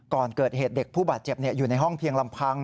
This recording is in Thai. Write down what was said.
ก่อนเกิดเหตุเด็กผู้บาดเจ็บอยู่ในห้องเพียงลำพัง